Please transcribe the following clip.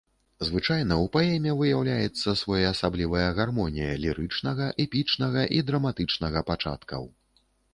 Звычайна ў паэме выяўляецца своеасаблівая гармонія лірычнага, эпічнага і драматычнага пачаткаў.